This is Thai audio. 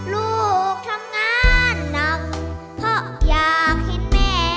ลูกทำงานหนักเพราะอยากเห็นแม่